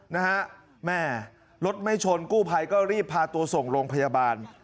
นะฮะแม่รถไม่ชนกู้ภัยก็รีบพาตัวส่งโรงพยาบาล